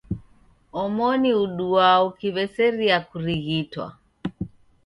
Omoni uduaa ukiw'eseria kurighitwa.